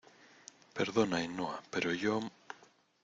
perdona, Ainhoa , pero yo...